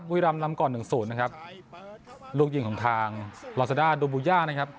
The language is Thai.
บุรีรำนำก่อนหนึ่งศูนย์นะครับลูกยิงของทางลอซาด้าดูบูย่านะครับ